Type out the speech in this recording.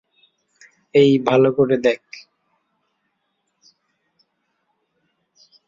এই, ভালো করে দেখ।